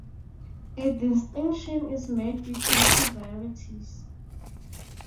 A distinction is made between two varieties.